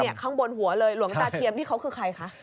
ข้างบนหัวเลยหลวงตาเทียมนี่เขาคือใครคะ